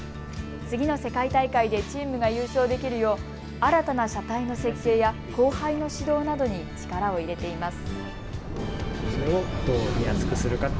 次の世界大会でチームが優勝できるよう新たな車体の設計や後輩の指導などに力を入れています。